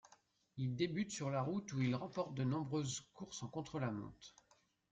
Il débute sur la route où il remporte de nombreuses courses en contre-la-montre.